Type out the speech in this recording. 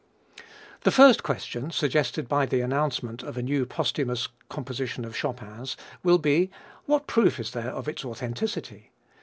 The first question, suggested by the announcement of a new posthumous composition of Chopin's, will be "What proof is there of its authenticity?"